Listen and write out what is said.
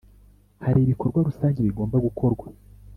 hari ibikorwa rusange bigomba gukorwa